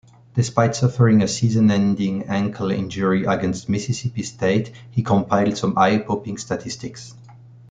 Despite suffering a season-ending ankle injury against Mississippi State, he compiled some eye-popping statistics.